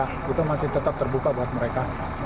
kita masih tetap terbuka buat mereka